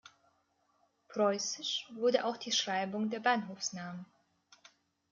Preußisch wurde auch die Schreibung der Bahnhofsnamen.